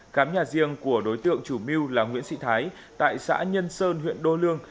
khám nhà riêng của đối tượng chủ mưu là nguyễn sĩ thái tại xã nhân sơn huyện đô lương